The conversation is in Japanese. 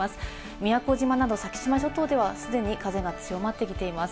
宮古島など先島諸島では、既に風が強まってきています。